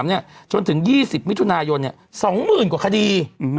๒๕๖๓เนี่ยจนถึง๒๐มิถุนายนเนี่ย๒๐๐๐๐กว่าคดี